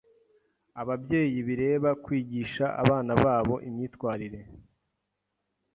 Ababyeyi bireba kwigisha abana babo imyitwarire.